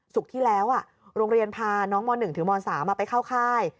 ที่แล้วโรงเรียนพาน้องม๑ถึงม๓ไปเข้าค่าย